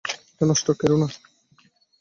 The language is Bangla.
এটা নষ্ট কোরো না।